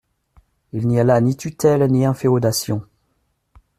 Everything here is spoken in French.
Il n’y a là ni tutelle, ni inféodation.